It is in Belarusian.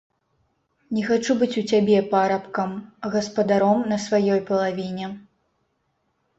Не хачу быць у цябе парабкам, а гаспадаром на сваёй палавіне.